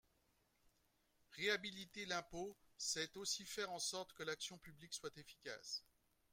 Réhabiliter l’impôt, c’est aussi faire en sorte que l’action publique soit efficace.